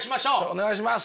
お願いします。